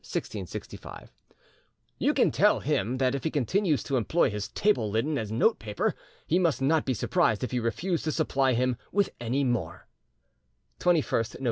1665 ); "You can tell him that if he continues too employ his table linen as note paper he must not be surprised if you refuse to supply him with any more" ( 21st Nov.